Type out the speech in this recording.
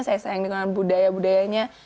saya sayang dengan budaya budayanya